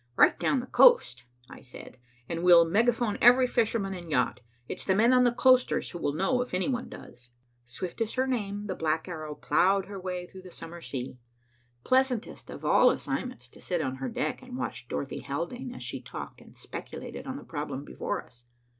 "Right down the coast," I said, "and we'll megaphone every fisherman and yacht. It's the men on the coasters who will know, if any one does." Swift as her name, the Black Arrow ploughed her way through the summer sea. Pleasantest of all assignments to sit on her deck and watch Dorothy Haldane as she talked and speculated on the problem before us.